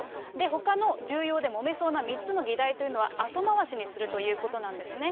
ほかの重要でもめそうな３つの議題というのは、後回しにするということなんですね。